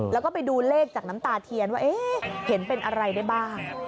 แล้วก็ไปดูเลขจากน้ำตาเทียนว่าเอ๊ะเห็นเป็นอะไรได้บ้าง